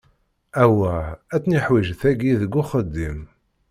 Awwah ad tt-niḥwiǧ tagi deg uxeddim.